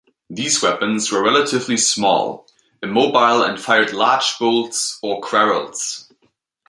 These weapons were relatively small, immobile, and fired large bolts or quarrels.